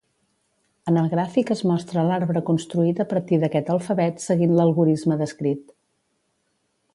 En el gràfic es mostra l'arbre construït a partir d'aquest alfabet seguint l'algorisme descrit.